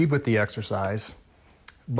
โดยเป็นต้น